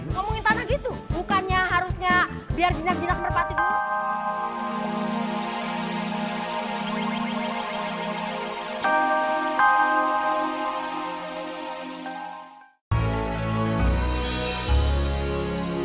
ngomongin tanah gitu bukannya harusnya biar jinak jinak merpatitis